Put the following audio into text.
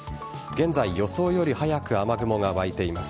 現在、予想より早く雨雲が湧いています。